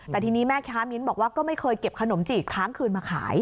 แต่ทีนี้แม่ค้ามิ้นบอกว่าก็ไม่เคยเก็บขนมจีบค้างคืนมาขาย